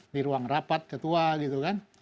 di ruang rapat ketua gitu kan